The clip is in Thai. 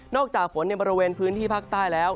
จากฝนในบริเวณพื้นที่ภาคใต้แล้ว